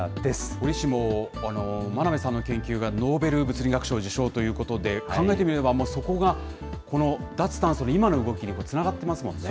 折しも真鍋さんの研究がノーベル物理学賞受賞ということで、考えてみれば、そこが、脱炭素の今の動きにつながっていますもんね。